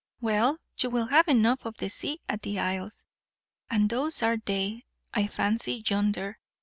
"Well, you will have enough of the sea at the Isles. And those are they, I fancy, yonder.